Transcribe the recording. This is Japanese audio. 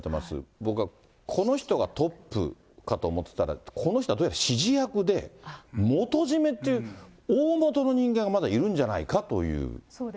僕はこの人がトップかと思ってたら、この人はどうやら指示役で、元締めっていう、おおもとの人間がまだいるんじゃないかという話。